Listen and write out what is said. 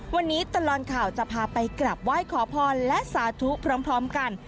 วันนี้ตลอดข่าวจะพาไปกลับไหว้ขอพรและสาธุพร้อมกัน